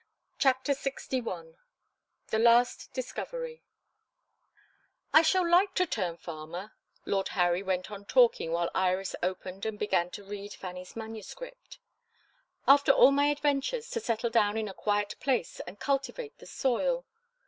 CHAPTER LXI THE LAST DISCOVERY "I SHALL like to turn farmer," Lord Harry went on talking while Iris opened and began to read Fanny's manuscript. "After all my adventures, to settle down in a quiet place and cultivate the soil.